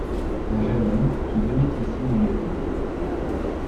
Un jeune homme qui venait ici dans les temps.